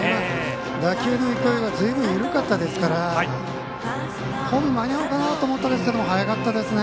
打球の行方がずいぶん緩かったですからホーム、間に合うかなと思ったんですが速かったですね。